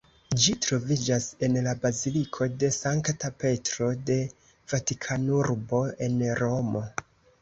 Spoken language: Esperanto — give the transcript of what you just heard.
Ĝi troviĝas en la Baziliko de Sankta Petro de Vatikanurbo en Romo.